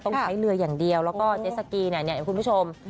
ใช้เรืออย่างเดียวแล้วก็เจสสกีเนี่ยคุณผู้ชม